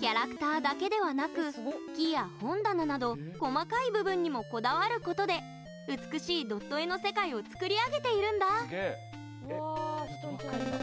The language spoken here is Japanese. キャラクターだけではなく木や本棚など細かい部分にもこだわることで美しいドット絵の世界を作り上げているんだ。